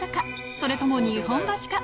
それとも日本橋か？